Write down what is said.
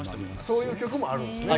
そういう曲もあるんすね。